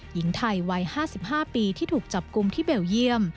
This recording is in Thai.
หญิงไทยวัย๕๕ปีที่ถูกจับกลุ่มที่เบลเยี่ยม